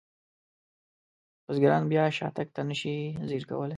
بزګران بیا شاتګ ته نشي ځیر کولی.